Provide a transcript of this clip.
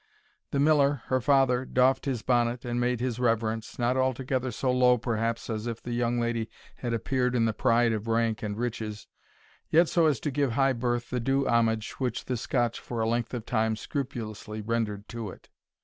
The Miller, her father, doffed his bonnet, and made his reverence, not altogether so low perhaps as if the young lady had appeared in the pride of rank and riches, yet so as to give high birth the due homage which the Scotch for a length of time scrupulously rendered to it.